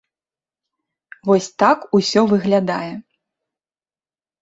Вось так усё выглядае.